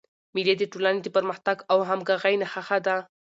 مېلې د ټولني د پرمختګ او همږغۍ نخښه ده.